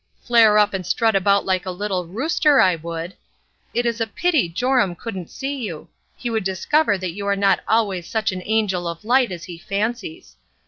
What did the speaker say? Flare up and strut about like a little rooster, I would! It is a pity Joram couldn't see you ; he would dis cover that you are not always such an angel of light as he fancies.